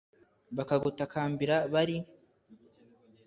bakagutakambira bari